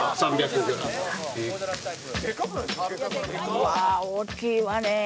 うわー大きいわね！